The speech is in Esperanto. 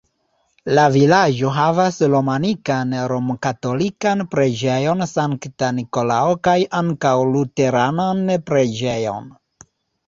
La vilaĝo havas romanikan romkatolikan preĝejon Sankta Nikolao kaj ankaŭ luteranan preĝejon.